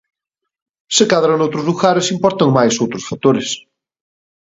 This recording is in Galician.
Se cadra noutros lugares importan máis outros factores.